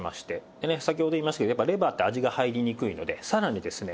でね先ほど言いましたけどやっぱりレバーって味が入りにくいのでさらにですね